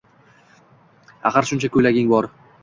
Axir shuncha ko`ylaging bor